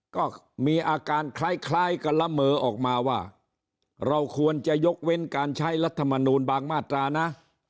ก็มีอาการคล้ายกันละเมอออกมาว่าเราควรจะยกเว้นการใช้รัฐมนูลบางมาตรานะ